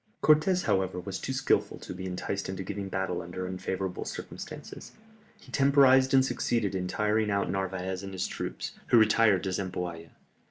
Cortès, however, was too skilful to be enticed into giving battle under unfavourable circumstances. He temporized and succeeded in tiring out Narvaez and his troops, who retired to Zempoalla.